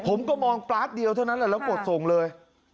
แค่เดี๋ยวเท่านั้นแล้วกดส่งเลย